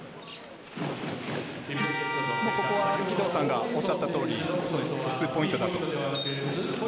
ここは義堂さんが言った通り、ツーポイントだと。